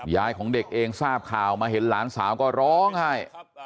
ของเด็กเองทราบข่าวมาเห็นหลานสาวก็ร้องไห้